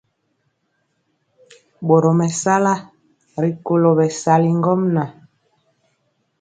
Boro mesala rikolo bɛsali ŋgomnaŋ.